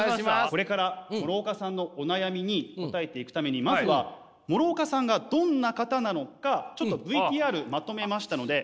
これから諸岡さんのお悩みに答えていくためにまずは諸岡さんがどんな方なのかちょっとＶＴＲまとめましたので。